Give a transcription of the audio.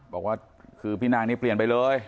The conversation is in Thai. บอกว่าคือพี่นางนี่เปลี่ยนไปเลย